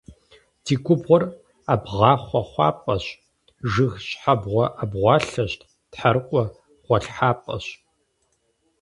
Ди губгъуэр ӏэбгъахъуэ хъупӏэщ, жыг щхьэбгъуэ абгъуалъэщ, тхьэрыкъуэ гъуэлъхьапӏэщ.